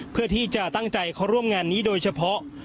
เพื่อที่จะตั้งใจเขาร่วมงานนี้โดยเฉพาะ